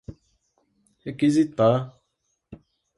requisitar